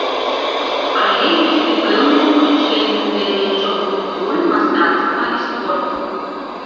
Але ёсць і пэўныя выключэнні для дзеячоў культуры, мастацтва і спорту.